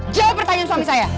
jawab pertanyaan suami saya